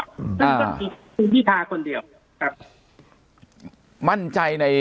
นั่นคือคุณพิทาคนเดียวครับ